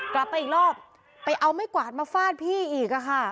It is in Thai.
กลับไปอีกรอบไปเอาไม้กวาดมาฟาดพี่อีกค่ะ